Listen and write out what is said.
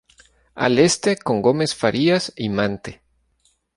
Al este con Gómez Farías y Mante.